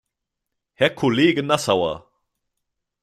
Herr Kollege Nassauer!